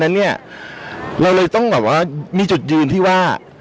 เรายังต้องมีจุดยืนที่ว่า